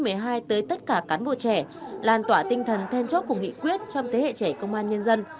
điều này sẽ giúp một mươi hai tới tất cả cán bộ trẻ làn tỏa tinh thần then chốt của nghị quyết trong thế hệ trẻ công an nhân dân